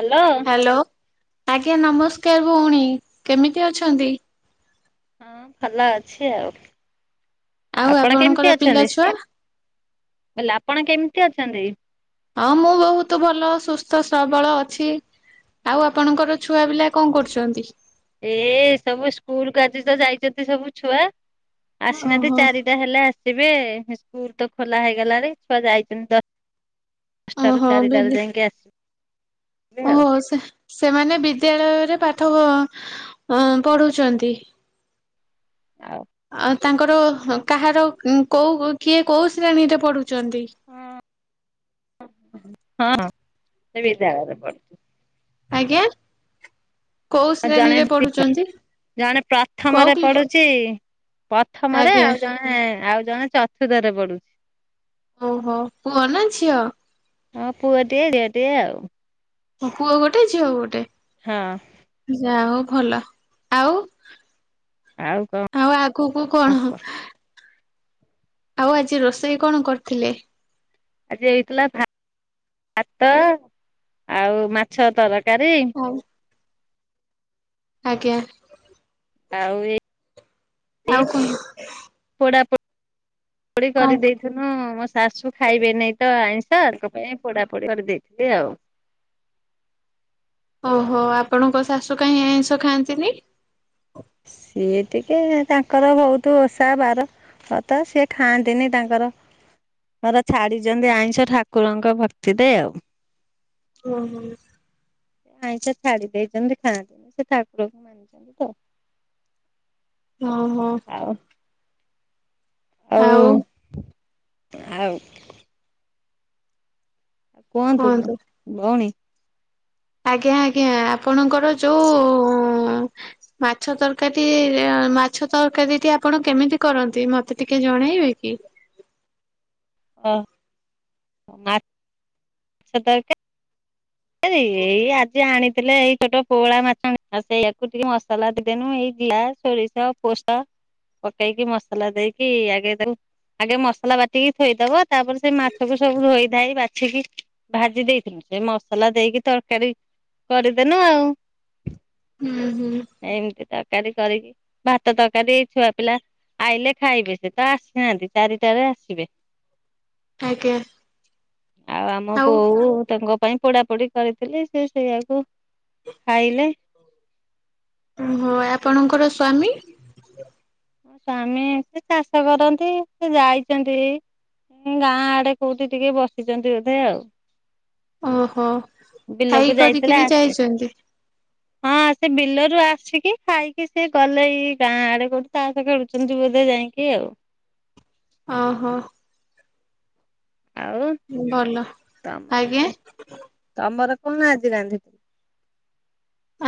Hello. Hello ଆଜ୍ଞା ନମସ୍କାର ଭୋଉଣୀ କେମିତି ଅଛନ୍ତି? ହଁ ଭଲ ଅଛି ଆଉ। ଆଉ ଆପଣ ଆପଣଙ୍କର କେମିତି ପିଲା ଅଛନ୍ତି ଛୁଆ ମୁଁ କହିଲି ଆପଣ କେମିତି ଅଛନ୍ତି? ହଁ ମୁଁ ବହୁତ ଭଲ ସୁସ୍ଥ ସ୍ରବଳ ଅଛି। ଆଉ ଆପଣଙ୍କର ଛୁଆ ପିଲା କଣ କରୁଚନ୍ତି? ଏ ସବୁ ସ୍କୁଲ କୁ ଆଜି ତ ଯାଇଚନ୍ତି ସବୁ ଛୁଆ। ଆସିନାହାନ୍ତି ଓହୋ ଚାରିଟା ହେଲେ ଆସିବେ। ସ୍କୁଲ ତ ଖୋଲା ହେଇଗଲାଣି ଛୁଆ ଯାଇଛନ୍ତି ଦଶ ଦଶଟାରୁ ଓହୋ ବିଦ ଚାରିଟାରେ ଯାଇଁକି ଆସି ଓହୋ ସେ ସେମାନେ ବି ବିଦ୍ୟାଳୟରେ ପାଠ ବ ଅଁ ପଢୁଚନ୍ତି। ଅଉ ଆ ତାଙ୍କର ହଁ କାହାର ଉଁ କୋଉ କିଏ କୋଉ ଶ୍ରେଣୀରେ ପଢୁ ହଁ ହଁ ସେ ବିଦ୍ୟାଳୟ ରେ ପଢୁ ଆଜ୍ଞା? କୋଉ ଆଉ ଜଣେ ଶ୍ରେଣୀରେ ଦି ପଢୁଚନ୍ତି? ଜଣେ ପ୍ରଥମରେ ପଡୁଚି ପ୍ରଥମରେ ଆଜ୍ଞା ଆଉ ଜଣେ ଆଉ ଜଣେ ଚତୁର୍ଥ ରେ ପଡୁଚି। ଓହୋ ପୁଅନା ଝିଅ? ହଁ ପୁଅ ଟେ ଦେହ ଟିଏ ଆଉ। ଓହୋ ପୁଅ ଗୋଟେ ଝିଅ ଗୋଟେ ହଁ ଯା ହଉ। ଭଲ ଆଉ ଆଉ ଆଗକୁ କଣ କୁହ ଆଉ ଆଜି ରୋଷେଇ କଣ କରିଥିଲେ? ଆଜି ହେଇଥିଲା ଭା ଭାତ ଆଉ ମାଛ ତର କାରି। ଆଉ ଆଜ୍ଞା। ଆଉ ଏଇ ଆଉ କହ? ପକରି ଦେଇଥିନୁ ମସ୍ ଶାଶୁ ଖାଇବେ ନେଇ ତ ଆଇଁଷ ତାଙ୍କ ପାଇଁ ପୋଡାପୋଡି କରିଦେଇଥିଲି ଆଉ। ଓହୋ ଆପଣଙ୍କ ଶାଶୁ କାହିଁ ଆଇଁଷ ଖାଆନ୍ତିନି? ସିଏ ଟିକେ ତାଙ୍କର ବୋହୁତ ଓଷା ବାର। ବ୍ରତ ସିଏ ଖାଆନ୍ତିନି ତାଙ୍କର। ଙ୍କର ଛାଡିଚନ୍ତି ଆଇଁଷ ଠାକୁରଙ୍କ ଭକ୍ତିରେ ଆଉ। ଓହୋ। ଆଇଁଷା ଛାଡି ଦେଇଚନ୍ତି ଖାଆନ୍ତିନି ସେ ଠାକୁରକୁ ମାନିଚନ୍ତି ତ। ଓହୋ। ଆଉ ଆଉ ଆଉ କୁହନ୍ତୁ ନା ଭୋଉଣୀ? ଆଜ୍ଞା ଆଜ୍ଞା ଆପଣଙ୍କର ଯୋଉ ମାଛ ତରକାରୀଟି ମାଛ ତରକାରୀଟି ଆପଣ କେମିତି କରନ୍ତି ମତେ ଟିକେ ଜଣେଇବେ କି? ଇ ଓ ମା ଛ ତରକା ଏ-ଏ-ଏଇ ଆଜି ଆଣି ଥିଲେ ଏଇ ଛୋଟ ପୋହଳା ମାଛ [unintelligible] ସେଆକୁ ଟିକେ ମସଲା ଦଦେନୁ ଏଇ ଜିରା, ସୋରିଷ ପୋଷ ପକେଇକି ମସଲା ଦେଇକି ଆଗେଇ ଦଉ ଆଗେ ମସଲା ବାଟିକି ଥୋଇଦବ ତାପରେ ସେ ମାଛକୁ ସବୁ ଧୋଇ ଧାଇ ବାଛିକି ଭାଜି ଦେଇଥିବୁ ସେ ମ ମସଲା ଦେଇକି ତରକାରୀ କରିଦେନୁ ଆଉ। ହୁଁ ହୁଁ ଏମିତି ତରକାରୀ କରିକି ଭାତ ତରକାରୀ ଏଇ ଛୁଆ ପିଲା ଆଇଲେ ଖାଇବେ ସେ ତ ଆସିନାହାନ୍ତି ଚାରିଟାରେ ଆସିବେ। ଆଜ୍ଞା ଆଉ ଆମ ବୋଉ ତାଙ୍କ ପାଇଁ ପୋଡା ପୋଡି କରିଥିଲି ସେ ସେଇଆକୁ ଖାଇଲେ। ହୋ ଆପଣଙ୍କର ସ୍ଵାମୀ ମୋ ସ୍ଵାମୀ ସେ ଚାଷ କରନ୍ତି ସେ ଯାଇଛନ୍ତି ଉଁ ଗାଁ ଆଡେ କୋଉଠି ଟିକେ ବସିଛନ୍ତି ବୋଧେ ଆଉ। ଓହୋ ବିଲକୁ ଖାଇ ଯାଇଥିଲେ କରିକିରି ଆସି ଯାଇଛନ୍ତି। ହଁ ସେ ବିଲରୁ ଆସିକି ଖାଇକି ସେ ଗଲେ ଏଇ ଗାଁ ଆଡେ କୋଉଠି। ତାସ୍ ଖେୁଳୁଛନ୍ତି ବୋଧେ ଯାଇକି ଆଉ। ଓ ହୋ। ଆଉ ତମର ଆଜ୍ଞା କ ତମର କଣ ଆଜି ରାନ୍ଧି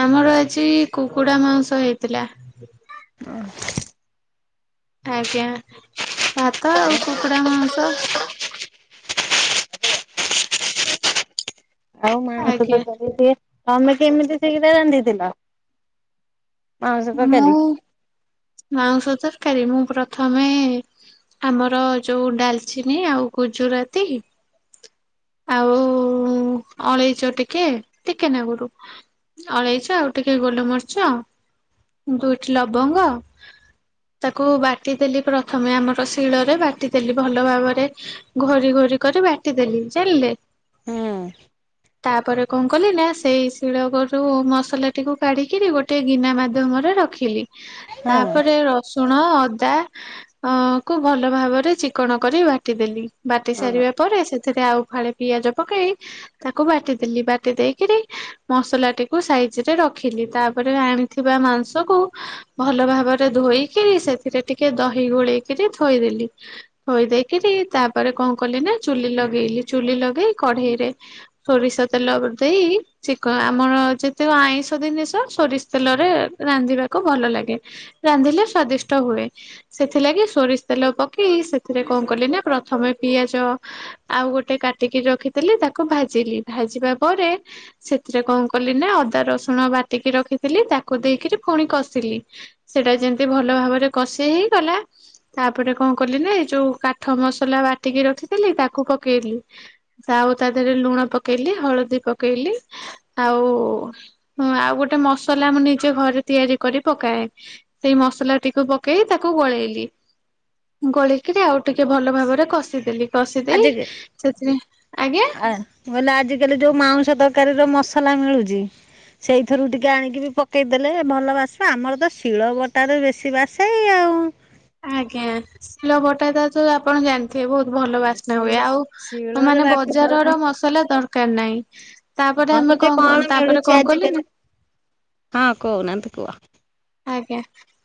ଆମର ଆଜି-ଇ-ଇ-ଇ କୁକୁଡା ମାଉସ ହେଇଥିଲା। [unintelligible] ଆଜ୍ଞା ଭାତ ଆଉ କୁକୁଡା ମାଉସ। ଆଉ ମାଂସ ଆଜ୍ଞା ତରକାରୀ ଟିଏ, ତମେ କେମିତି ସେଇଟା ରାନ୍ଧିଥିଲ? ମାଉସ କ ମୁଁ କଲି। ମାଉଁସ ତରକାରୀ ମୁଁ ପ୍ରଥମେ-ଏ-ଏ-ଏ ଆମର ଯୋଉ ଡାଲଚିନି ଆଉ ଗୁଜୁରାତି ଆଉ-ଉ-ଉ-ଉ-ଉ ଅଳେଇଚ ଟି ଟିକେ ଟିକେ ନାଗରୁ, ଅଳେଇଚ ଆଉ ଟିକେ ଗୋଲମରିଚ ଦୁଇଠି ଲବଙ୍ଗ। ତାକୁ ବାଟି ଦେଲି ପ୍ରଥମେ ଆମର ଶିଳରେ ବାଟି ଦେଲି ଭଲ ଭାବରେ ଘୋରି ଘୋରି କରି ବାଟିଦେଲି ଜାଣିଲେ ହୁଁ ତାପରେ କଣ କଲି ନା ସେଇ ଶିଳ ଗରୁ ମସଲାଟିକୁ କାଢ଼ିକିରି ଗୋଟିଏ ଗିନା ମାଧ୍ୟମରେ ରଖିଲି। ହଁ ତାପରେ ରସୁଣ ଣ ଅଦା ଆକୁ ଭଲ ଭାବରେ ଚିକଣ କରି ବାଟିଦେଲି। ବାଟି ହଁ ସାରିବା ପରେ ସେଥିରେ ଆଉ ଫାଳେ ପିଆଜ ପକେଇ ତାକୁ ବାଟି ଦେଲି ବାଟି ଦେଇକିରି ମସଲାଟି କୁ ସାଇଜିରେ ର ଖିଲି ତା ପରେ ଆଣିଥିବା ମାଉଁସ କୁ ଭଲଭାବରେ ଧୋଇକି, ସେଥିରେ ଟିକେ ଦ ଦହି ଗୋଳେଇକରି ଥୋଇଦେଲି ଥୋଇ ଦେଇକରି ତାପରେ କଣ କଲି ନା ଚୁଲି ଲଗେଇଲି। ଚୁଲି ଲଗେଇ କଢେଇରେ ସୋରିଷ ତେଲ ଅ ଦେଇ ଚିକ ଆମର ଯେତେ ଆଇଁଷ ଷ ଜିନିଷ ସୋରିଷ ତେଲରେ ରାନ୍ଧିବାକୁ ଭଲ ଲାଗେ। ରାନ୍ଧିଲେ ସ୍ଵାଦିଷ୍ଟ ହୁଏ। ସେଥିଲାଗି ସୋରିଷ ତେଲ ପକେଇ ସେଥିରେ କଣ କଲି ନା ପ୍ରଥମେ ପିଆଜ ଆଉ ଗୋ ଗଟେ କାଟିକି ରଖିଥିଲି ତାକୁ ଭାଜିଲି ଭାଜିବା ପରେ ସେଥିରେ କଣ କଲି ନା ଅଦା ରସୁ ଣ ବାଟିକି ରଖିଥିଲି ତାକୁ ଦେଇକିରି ପୁଣି କଷିଲି। ସେଟା ଯେମିତି ଭଲ ଭାବରେ କଷି ହେଇ ଗଲା ତାପରେ କଣ କଲି ନା ଏ ଯୋଉ କାଠ ମସଲା ବାଟିକି ରଖିଥିଲି ତାକୁ ପକେଇଲି। ହଁ ଆଉ ତା ଦେହରେ ଲୁଣ ପକେଇଲି, ହଳଦୀ ପକେଇଲି, ଆଉ-ଉ-ଉ-ଉ-ଉ ଆଉ ଗୋଟେ ମସଲା ମୁଁ ନିଜ ଘରେ ତିଆରି କରି ପକାଏ। ସେଇ ମସଲା ଟିକୁ ପକେଇ ତାକୁ ଗୋଳେଇଲି। ଗୋଳିକିରି ଆଉ ଟିକେ ଭଲ ଭାବରେ କଷିଦେଲି କଷି ଦେଇ ଆଜି ସେଥିରେ ଆଜ୍ଞା ଆ ବୋଲେ ଆଜି କାଲି ଯୋଉ ମାଉଁସ ତରକାରୀ ର ମସଲା ମିଳୁଛି ସେଇଥିରୁ ଟିକେ ଆଣିକି ବି ପକେଇ ଦେଲେ ଭଲ ବାସିବ। ଆମର ତ ଶିଳ ବଟାରେ ବେଶୀ ବାସେ-ଏ ଆଉ। ଆଜ୍ଞା ଶିଳ ବଟା ତା ତ ଆପଣ ଜାଣି ସେ ବୋହୁତ ଭଲ ହଁ ବାସ୍ନା ଶିଳ ହୁଏ। ଆଉ ଶିଳରେ ମାନେ ବାଟି ଦଉନ ବଜାରର ମସଲା ଦରକାର ନାହିଁ। ତାପରେ ହଁ ଆମେ ଗୋଟେ କଣ କଣ ତାପରେ ମିଳୁଛି କଣ କଲି ଆଜିକାଲି ନା। ହଁ କହୁନାହାନ୍ତି କୁହ ଆଜ୍ଞା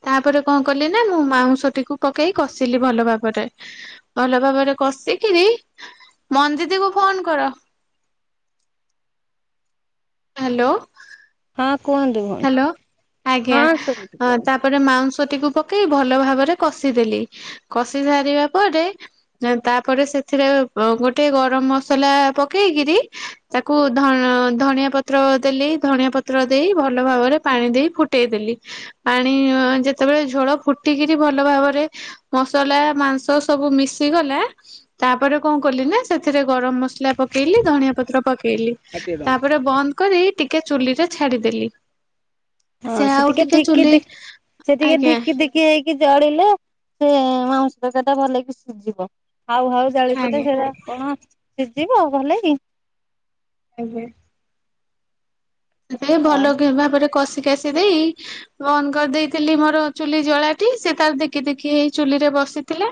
ତାପରେ କଣ କଲି ନା ମୁଁ ମାଉଁସଟିକୁ ପକେଇ କଷିଲି ଭଲ ଭାବରେ। ଭଲ ଭାବରେ କଷିକିରି ମଞ୍ଜିତିକୁୁ ଫୋନ କର। [inaudible] ହ୍ୟାଲୋ। ହଁ କୁହନ୍ତୁ ଭଉଣୀ ହ୍ୟାଲୋ ଆଜ୍ଞା ହଁ ଶୁଭୁଛି କୁହନ୍ତୁ। ତାପରେ ମାଉ- ତିକି ପକେଇ ଭଲ ଭାବରେ କଷିଦେଲି କଷି ସାର ପରେ ତା- ସେଥିରେ ଗୋଟ ଗରମ ମସଲା ପକେଇକିରି ତାକୁ ଧଣ ଧଣିଆ ପତ୍ର- ଦେଲି ଧନିଆ ପତ୍ର ଦେଇ- ଭଲ ଭାବରେ ପାଣି ଦେଇ ଫୁଟେଇ ଦେଲି। ପାଣି ଯେତେବେଳେ ଝୋଳ ଫୁଟିକିରି ଭଲ ଭାବରେ- ମସଲା ମାଂସ ସବୁ ମିଶି ଗଲା ତାପରେ କଣ କଲି ନା ସେଥିରେ ଗରମ ମସଲା- ପକେଇଲି ଧନିଆ ପତ୍ର ପକେଇଲି। ତାପରେ ବନ୍ଦ କରି ଟିକେ ଚୁଲିରେ ଛାଡିଦେଲି। ହଁ ସେ ଟିକେ ଠିକ କି- ସେ ଟିକେ ଆଜ୍ଞା ଧିକି ଧିକି ହେଇକି ଜଳିଲେ ସେ ମାଉଁ - ଟା ଭଲକି ସିଝିବ ହାଉ ହାଉ ଜାଳିଥିଲେ ଆଜ୍ଞା ସେଟା କଣ- ଶିଝିବ ଭଲ କି। ଆଜ୍ଞା। ଆଉ ଭଲ କି ଭାବରେ କଷି। ପେଶୀ ଦେଇ ବନ୍ଦ କରିଦେଇଥିଲି ମୋର ଚୁଲି ଜଳା ସେ ତାର ଦେଖି ଦେଖି ହେଇ ଚୁଲିରେ- ବସିଥିଲା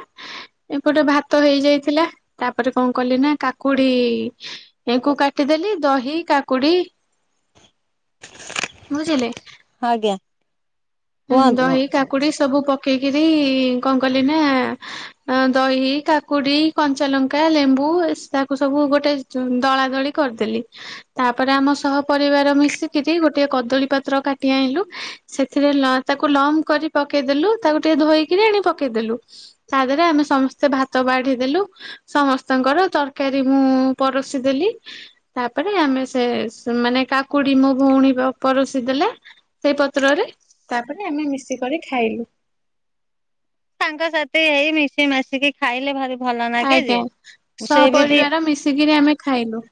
ଏପଟେ ଭାତ ହେଇଯାଇଥିଲା। ତାପରେ କଣ କଲି ନା କାକୁଡି- ଏହାକୁ କାଟିଦେଲି ଦହି କାକୁଡି- ବୁଝିଲେ। ଆଜ୍ଞା କୁହନ୍ତୁ। ଦହି କାକୁଡି ସବୁ ପକ- ପକେଇକିରି କଣ କଲି ନା ଦହି କାକୁଡି କଞ୍ଚାଲଙ୍କା ଲେମ୍ବୁ- ତାକୁ ସବୁ ଗୋଟେ ଦଳା ଦଳି କରିଦେଲି ତାପରେ ଆମ ସହ ପରିବାର ମିଶି - ଯାଇ ଗୋଟେ କଦଳୀ ପାତ୍ର କାଟି ଆଣିଲୁ ସେଥି- ରେ ତାକୁ ଲମ କରି ପକେଇଦେଲୁ ତାକୁ ଟିକେ ଧୋଇକରି ଆଣି ପକେଇଦେଲୁ ତା ଦାରରେ ଆମେ ସମସ୍ତେ। ସେ ଭାତ ବାଢି ଦେଲୁ। ସମସ୍ତଙ୍କର ତରକାରୀ ମୁଁ ପରସି ଦେଲି ତା- ତା ପରେ ଆମେ ସେ ମାନେ କାକୁଡି ମୋ ଭଉଣୀର ପରୋଷୀ ଦେଲେ ସେଇ ପତ୍ରରେ। ତାପରେ ଆମେ ମିଶିକରି ଖାଇଲୁ। ସାଙ୍ଗସାଥି ହେଇ ମିଶି ମାସିକି ଖାଇଲେ ଭାରି - ଆଜ୍ଞା ସହପରିବାର ମିଶିକିରି ଆମେ ଖାଇଲୁ।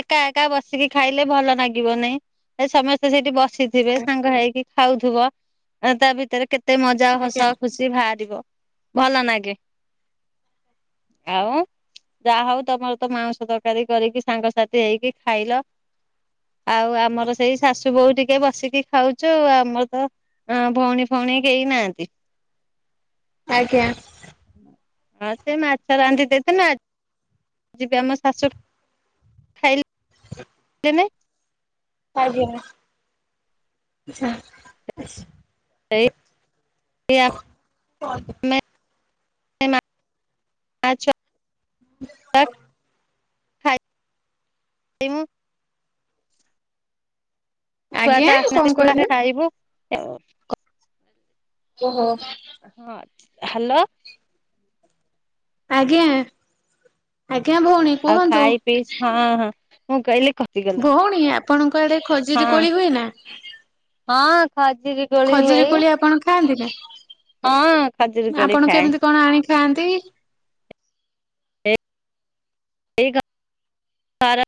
ଏକା ଏକା ବସିକି ଖାଇଲେ ଭଲ ଲାଗିବ ନାଇଁ ଏ ସମସ୍ତେ ସେଇଠି ବସିଥିବେ ସାଙ୍ଗ ହେଇକି। ଖାଉଥିବ ତା ଭିତରେ କେତେ ମଜା ହସ ଆଜ୍ଞା ଖୁସି ବାହାରିବ। ଭଲ ଲାଗେ। ଆଉ ଯାହା ହଉ ତମର ତ ମାଂସ ତରକାରୀ କରିକି- ସାଙ୍ଗସାଥି ହେଇକି ଖାଇଲ। ଆଉ ଆମର ସେଇ ଶାଶୁ ବୋହୁ ଟିକେ ବସିକି ଖାଉଛୁ ଆମର ତ- ହଁ ଭଉଣୀ ଫଉଣୀ କେହି ନାହାନ୍ତି। ଆଜ୍ଞା। ହଁ ସେ ମାଛ ରାନ୍ଧି ଦେଇଥିଲେ ଆ ଯିବି ଆମ ଶାଶୁ ଖାଇଲି କେନେ? ଆଜ୍ଞା [unintelligible] ସେଇ ସିଆ ଆମେ। [unintelligible] [unintelligible] ଛୁଆ ଆଜ୍ଞା ତ କଣ ଆସିନାହନ୍ତି କହିଲେ? [unintelligible] ଓହୋ ହ। ହ୍ୟାଲୋ। ଆଜ୍ଞା ଆଜ୍ଞା ଭଉଣୀ ଆଉ କୁହନ୍ତୁ। ଖାଇ ପିଇ ହଁ ହଁ ମୁଁ କହିଲି କଟିଗଲା। ଭଉଣୀ ଆପଣଙ୍କ ଆଡେ ଖଜୁର ହଁ କୋଳି ହୁଏ ନା? ହଁ। ଖଜୁରୀ କୋଳି ହୁଏ ଖଜୁରୀ କୋଳି ଆପଣ ଖାଆନ୍ତି ନି? ହଁ ଖଜୁରୀ କୋଳି ଆପଣ ଖାଏ କେମିତି କଣ ଆଣିଥାନ୍ତି? ପାରା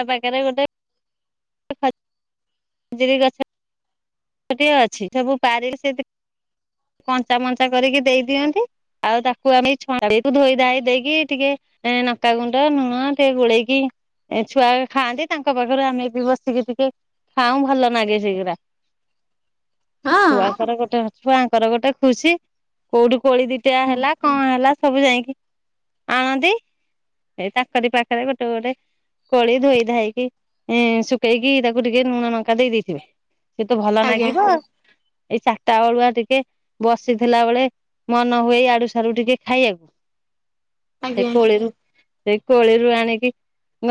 ତା ପାଖରେ ଗୋଟେ [unintelligible] ଖଜୁରୁର ଗଛ। ଗଛ ଟିଏ ଅଛି ସବୁ ପାରି ଲେ - କଞ୍ଚା ମଞ୍ଚା କରିକି ଦେଇ ଦିଅନ୍ତି। ଆଉ ତାକୁ ଆମେ ଛାନିକି ଧୋଇ ଧୋଇ ଦେଇକି ଟିକେ ଏ ନକା ଗୁଣ୍ଡ ନୁଣ ସେ ଗୋଳେଇକି ଏ ଛୁଆଗା ଖାଆନ୍ତି ତାଙ୍କ ପାଖରୁ ଆମେ ବି ବସିକି ଟିକେ ଖାଉ ଭଲ ଲାଗେ ସେଗୁଡ଼ା ହଁ ଛୁଆ ସାରା ଗୋଟେ ଛୁଆଙ୍କର ଗୋଟେ ଖୁସି କୋଉଠି କୋଳି ଦିଟା ହେଲା କଣ ହେଲା ସବୁ ଯାଇକି ଆଣନ୍ତି ଏଇ ତାଙ୍କରି ପାଖରେ ଗୋଟେ ଗୋଟେ କୋଳି ଧୋଇ ଧୋଇକି ଶୁଖେଇକି ତାକୁ ଟିକେ ଲୁଣ ଲଙ୍କା ଦେଇେଇଥିବେ ତୁ ଭଲ ଆଜ୍ଞା ଲାଗିବ ଆଉ। ଏଇ ଚାରିଟା ବଳୁଆ ଟିକେ ବସିଥିଲା ବେଳେ ମନ ହୁଏ ଆଡୁ ସିଆଡୁ ଟିକେ ଖାଇବାକୁ। [inaudible] ସେଇ ଆଜ୍ଞା। କୋଳିରୁ ସେଇ କୋଳିରୁ ଆଣିକି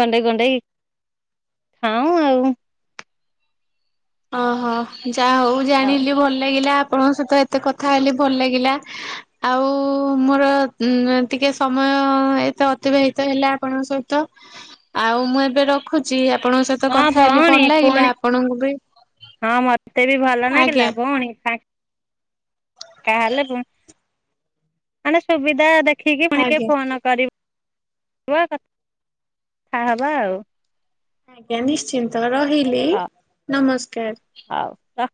ଗଣ୍ଡେଇ ଗୁଣ୍ଡେଇକି ଖାଉଁ ଆଉ। ଓହୋ ଯା ହଉ ଆଉ ଜାଣିଲି ଭଲ ଲାଗିଲା। ଆପଣଙ୍କ ସହିତ ଏତେ କଥା ହେଲି ଭଲ ଲାଗିଲା। ଆଉ ମୋର ଉ ଟିକେ ସମୟ ଏତେ ଅତିବାହିତ ହେଲା ଆପଣଙ୍କ ସହିତ ଆଉ ମୁଁ ଏବେ ରଖୁଛି ଆପଣଙ୍କ ସହିତ ହଁ କଥା ହେଲି ଭଉଣୀ ଭଲ ଲାଗିଲା ପୁଣି ଆପଣଙ୍କୁ ବି ହଁ ମତେ ବି ଭଲ ନାଗିଲା ଆଜ୍ଞା ଭଉଣୀ ତାହେଲେୁ ମାନେ ସୁବିଧା ଦେଖ ଦେଖିକି ପୁଣିକ ଆଜ୍ଞା ଫୋନ କର କଥା ହବା ଆଉ ଆଜ୍ଞା ନିଶ୍ଚିନ୍ତ ରହିଲି ହଉ ନମସ୍କାର। ହଉ ରଖ।